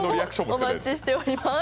お待ちしております。